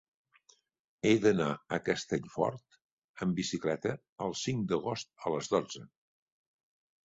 He d'anar a Castellfort amb bicicleta el cinc d'agost a les dotze.